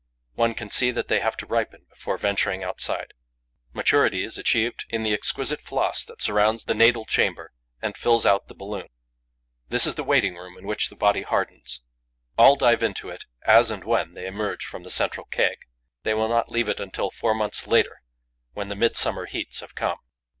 One can see that they have to ripen before venturing outside. Maturity is achieved in the exquisite floss that surrounds the natal chamber and fills out the balloon. This is the waiting room in which the body hardens. All dive into it as and when they emerge from the central keg. They will not leave it until four months later, when the midsummer heats have come.